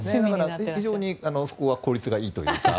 非常にそこは効率がいいというか。